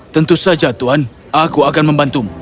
tentu saja tuhan aku akan membantumu